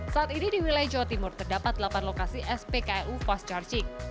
saat ini di wilayah jawa timur terdapat delapan lokasi spklu fast charging